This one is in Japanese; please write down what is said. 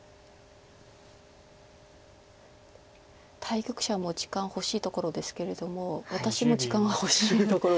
対局者も時間欲しいところですけれども私も時間が欲しいところ。